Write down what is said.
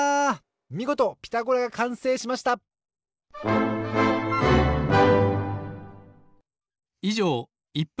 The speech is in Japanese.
みごと「ピタゴラ」がかんせいしましたいじょうでした！